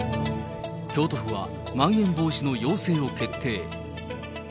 京都府は、まん延防止の要請を決定。